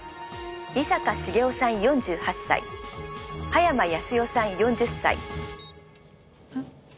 「伊坂茂雄さん４８歳」「葉山康代さん４０歳」えっ。